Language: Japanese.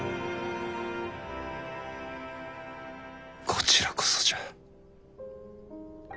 こちらこそじゃ。